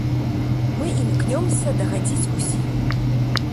Мы імкнёмся дагадзіць усім.